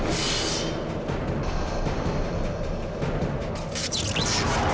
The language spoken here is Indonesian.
aku akan buktikan